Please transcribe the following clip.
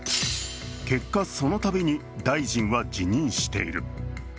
結果、そのたびに大臣は辞任している。